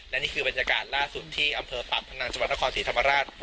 และนี่คือบรรยากาศล่าสุดที่อำเภอปากพนังจังหวัดนครศรีธรรมราช